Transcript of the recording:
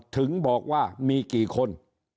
ถึงบอกว่ามีกี่คน